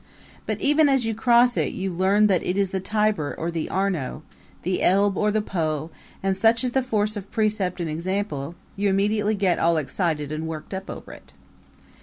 But even as you cross it you learn that it is the Tiber or the Arno, the Elbe or the Po; and, such is the force of precept and example, you immediately get all excited and worked up over it.